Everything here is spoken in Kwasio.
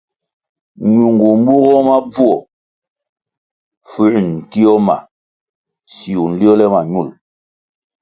Ñungu mbugoh mo bvuo fuęr ntio ma siwu nliole ma ñul.